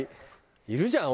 いるじゃん